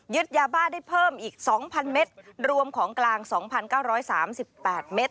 ยาบ้าได้เพิ่มอีก๒๐๐เมตรรวมของกลาง๒๙๓๘เมตร